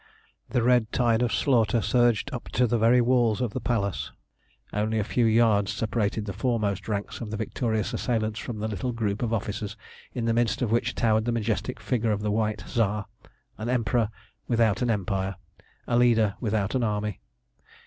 The red tide of slaughter surged up to the very walls of the Palace. Only a few yards separated the foremost ranks of the victorious assailants from the little group of officers, in the midst of which towered the majestic figure of the White Tsar an emperor without an empire, a leader without an army.